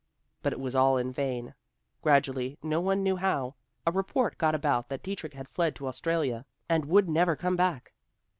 But it was all in vain. Gradually, no one knew how, a report got about that Dietrich had fled to Australia, and would never come back.